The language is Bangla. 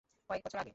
কয়েক বছর আগে।